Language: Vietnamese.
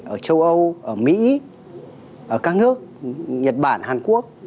ở châu âu ở mỹ ở các nước nhật bản hàn quốc